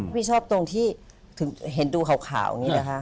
พี่ชอบตรงที่เห็นดูขาวอย่างนี้นะคะ